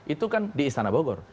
itu kan di istana bogor